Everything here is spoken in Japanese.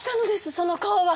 その顔は！？